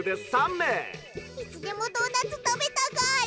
いつでもドーナツ食べたガール！